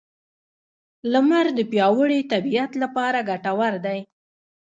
لمر د پیاوړې طبیعت لپاره ګټور دی.